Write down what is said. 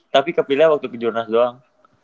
tapi kepilihnya waktu ke jurnas doang